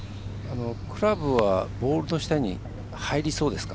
クラブはボールの下に入りそうですか？